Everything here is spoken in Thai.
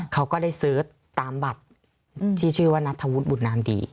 เขาก็ได้เสิร์ชตามบัตรที่ชื่อว่านัทธวุฒิบุตนามดี